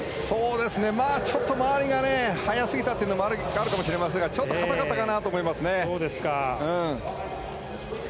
ちょっと周りが速すぎたというのもあるかもしれませんがちょっと硬かったかなと思います。